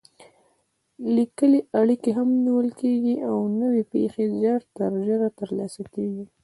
لیکلې اړیکې هم نیول کېږي او نوې پېښې ژر تر ژره ترلاسه کېږي.